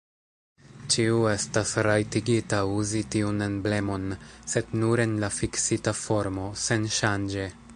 Ĉiu estas rajtigita uzi tiun emblemon, sed nur en la fiksita formo, senŝanĝe.